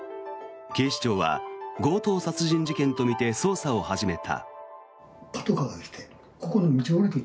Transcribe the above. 警視庁は、強盗殺人事件とみて捜査を始めた。